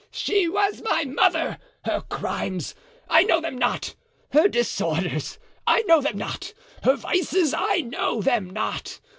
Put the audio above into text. she was my mother! Her crimes, I know them not; her disorders, I know them not; her vices, I know them not.